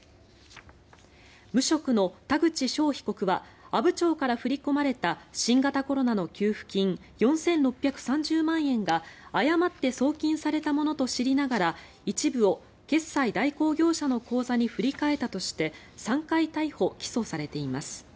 無職の田口翔被告は阿武町から振り込まれた新型コロナの給付金４６３０万円が誤って送金されたものと知りながら一部を決済代行業者の口座に振り替えたとして３回、逮捕・起訴されています。